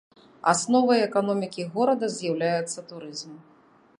Асновай эканомікі горада з'яўляецца турызм.